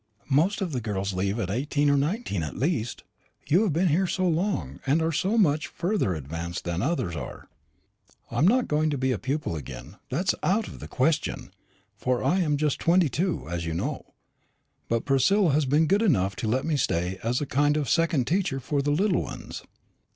Most of the girls leave at eighteen or nineteen at latest; and you've been here so long, and are so much farther advanced than others are. I am not going to be a pupil again that's out of the question; for I'm just twenty two, as you know. But Priscilla has been good enough to let me stay as a kind of second teacher for the little ones.